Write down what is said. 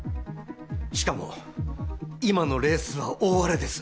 しかも今のレースは大荒れです。